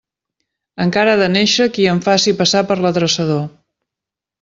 Encara ha de néixer qui em faci passar per l'adreçador.